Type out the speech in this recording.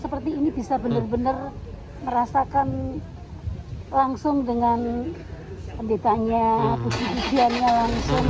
seperti ini bisa benar benar merasakan langsung dengan pendetanya puji pujiannya langsung